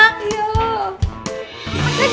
aduh aduh aduh